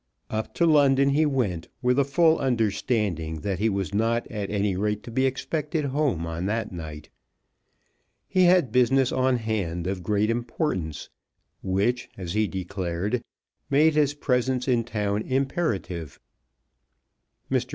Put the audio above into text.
Up to London he went with a full understanding that he was not at any rate to be expected home on that night. He had business on hand of great importance, which, as he declared, made his presence in town imperative. Mr.